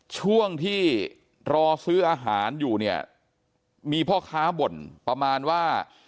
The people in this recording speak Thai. ช่วงที่รอซื้ออาหารอยู่เนี่ยมีพ่อค้าบ่นประมาณว่า